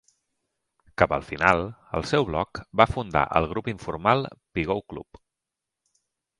Cap al final, al seu blog va fundar el grup informal Pigou Club.